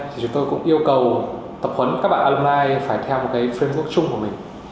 thì chúng tôi cũng yêu cầu tập huấn các bạn alumni phải theo một framework chung của mình